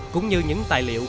cũng như những tài liệu